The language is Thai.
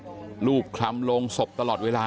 ยายก็นั่งร้องไห้ลูบคลำลงศพตลอดเวลา